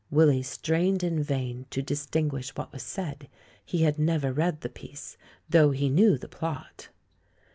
Willy strained in vain to distinguish what was said ; he had never read the piece, though he knew the plot.